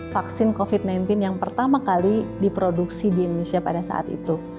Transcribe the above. vaksin covid sembilan belas yang pertama kali diproduksi di indonesia pada saat itu